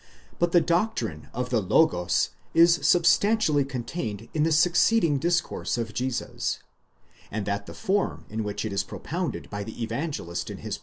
2* But the doctrine of the Logos is substantially contained in the succeeding discourse of Jesus; and that the form in which it is propounded by the evangelist in his preface, does not also *1 De Wette, ut sup.